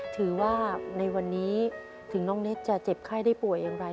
ถือว่าในวันนี้ถึงน้องเน็ตจะเจ็บไข้ได้ป่วยอย่างไร